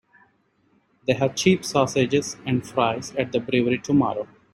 They have cheap sausages and fries at the brewery tomorrow.